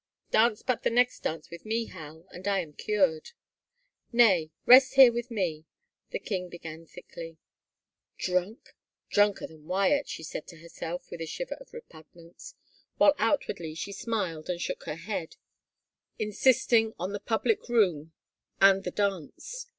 " Dance but the next dance with me, Hal, and I am cured." " Nay, re3t here with me —" the king began thickly. Drunk ! Drunker than Wyatt, she said to herself with a shiver of repugnance, while outwardly she smiled and shook her head, insisting on the public room and the dance.